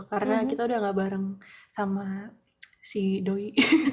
karena kita udah nggak bareng sama si doi